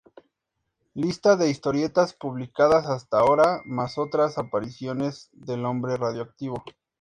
Lista de historietas publicadas hasta ahora, más otras apariciones del Hombre Radioactivo.